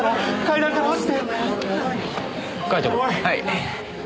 はい。